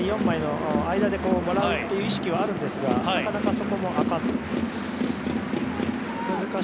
４枚の間でもらうという意識はあるんですがなかなかそこも空かず。